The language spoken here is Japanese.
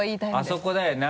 あそこだよな